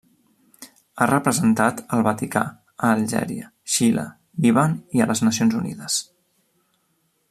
Ha representat el Vaticà a Algèria, Xile, al Líban i a les Nacions Unides.